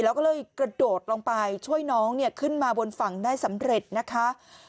แล้วก็เลยกระโดดลงไปช่วยน้องเนี่ยขึ้นมาบนฝั่งได้สำเร็จนะคะ